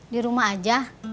di rumah aja